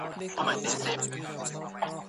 چې نه راځي،